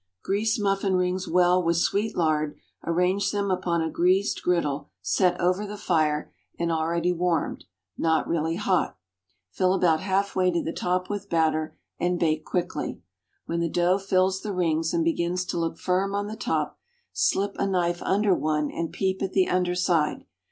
Grease muffin rings well with sweet lard, arrange them upon a greased griddle set over the fire and already warmed (not really hot), fill about half way to the top with batter, and bake quickly. When the dough fills the rings and begins to look firm on the top, slip a knife under one and peep at the under side.